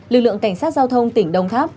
lực lượng cảnh sát giao thông tỉnh đồng tháp